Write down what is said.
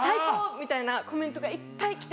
みたいなコメントがいっぱい来て。